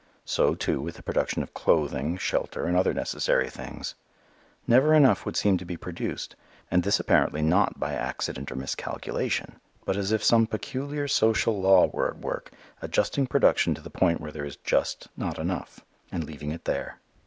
So, too, with the production of clothing, shelter and other necessary things; never enough would seem to be produced, and this apparently not by accident or miscalculation, but as if some peculiar social law were at work adjusting production to the point where there is just not enough, and leaving it there.